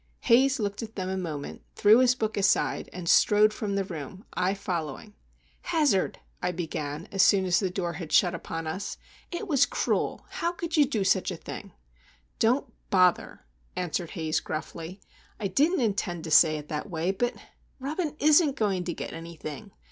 Haze looked at them a moment, threw his book aside, and strode from the room, I following. "Hazard!" I began, as soon as the door had shut upon us. "It was cruel! How could you do such a thing?" "Don't bother!" answered Haze, gruffly. "I didn't intend to say it that way, but—Robin isn't going to get anything.